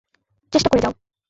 চেষ্টা করে যাও!